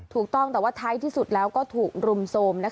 ถูกต้องหรือไทส์ที่สุดแล้วก็ถูกรุมโทรม